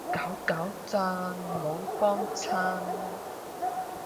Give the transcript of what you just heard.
攪攪震，冇幫襯